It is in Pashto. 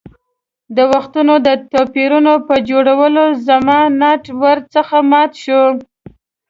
د وختونو د پېرونو په خوړلو زما ناټ ور څخه مات شو.